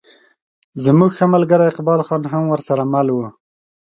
زموږ ښه ملګری اقبال خان هم ورسره مل و.